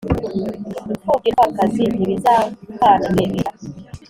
Impfubyi n’umupfakazi, Ntibazampfana ndebera !